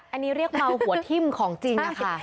อันนี้เรียกเมาหัวทิ่มของจริงนะคะ